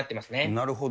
なるほど。